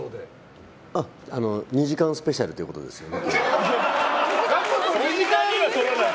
２時間スペシャルということですよね。